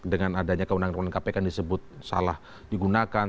dengan adanya kewenangan kewenangan kpk yang disebut salah digunakan